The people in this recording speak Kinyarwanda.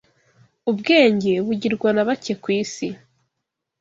ubwenge bugirwa na bake ku isi